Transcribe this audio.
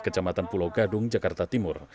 kecamatan pulau gadung jakarta timur